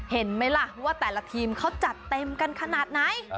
เห็นไหมล่ะว่าแต่ละทีมเขาจัดเต็มกันขนาดไหน